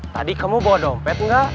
tadi kamu bawa dompet nggak